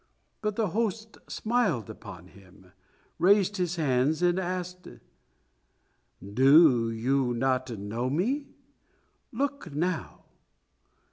But the host smiled upon him, raised his hands and asked, "Do you not know me? Look now."